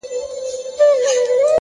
خاموشه صداقت تر لوړ غږ ارزښتمن دی